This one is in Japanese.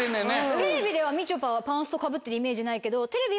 テレビではみちょぱはパンストかぶってるイメージないけど。